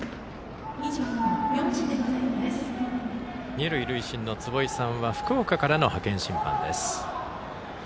二塁塁審の壷井さんは福岡からの派遣審判です。